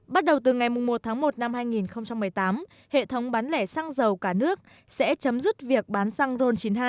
bắt đầu từ ngày một tháng một năm hai nghìn một mươi tám hệ thống bán lẻ xăng dầu cả nước sẽ chấm dứt việc bán xăng ron chín mươi hai